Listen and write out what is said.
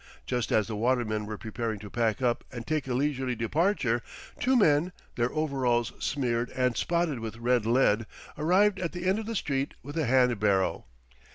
Just as the watermen were preparing to pack up and take a leisurely departure, two men, their overalls smeared and spotted with red lead, arrived at the end of the street with a hand barrow.